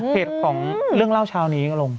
พิเภตของเรื่องเล่าเช้านี้ลง